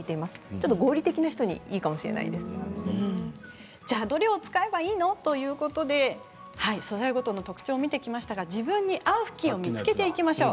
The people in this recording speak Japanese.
ちょっと合理的な方にじゃあ、どれを使えばいいの？ということで素材ごとの特徴を見てきましたが自分に合うふきんを見つけていきましょう。